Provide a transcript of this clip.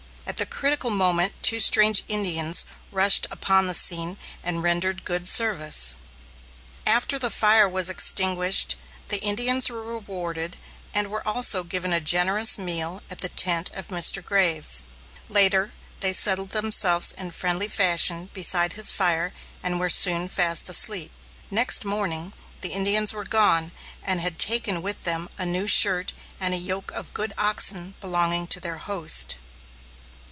At the critical moment two strange Indians rushed upon the scene and rendered good service. After the fire was extinguished, the Indians were rewarded, and were also given a generous meal at the tent of Mr. Graves. Later, they settled themselves in friendly fashion beside his fire and were soon fast asleep. Next morning, the Indians were gone, and had taken with them a new shirt and a yoke of good oxen belonging to their host.